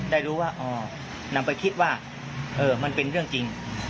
ได้รู้ว่าอ๋อนำไปคิดว่ามันเป็นเรื่องจริง